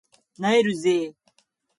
萎えるぜ